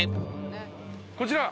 こちら。